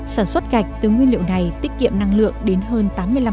sản xuất gạch từ nguyên liệu này tiết kiệm năng lượng đến hơn tám mươi năm